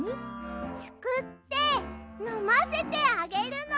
すくってのませてあげるの！